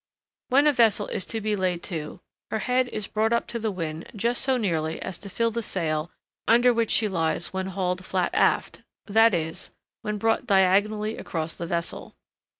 When a vessel is to be laid to, her head is brought up to the wind just so nearly as to fill the sail under which she lies when hauled flat aft, that is, when brought diagonally across the vessel.